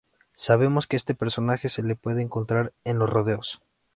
Sabemos que a este personaje se le puede encontrar en los rodeos.